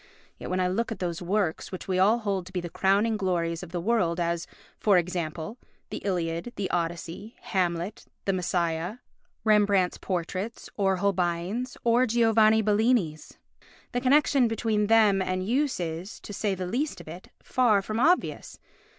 Yet when I look at those works which we all hold to be the crowning glories of the world as, for example, the Iliad, the Odyssey, Hamlet, the Messiah, Rembrandt's portraits, or Holbein's, or Giovanni Bellini's, the connection between them and use is, to say the least of it, far from obvious.